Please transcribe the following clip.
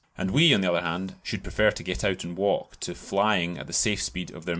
And we, on the other hand, should prefer to get out and walk to "flying" at the safe speed of their mail coaches.